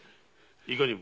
いかにも。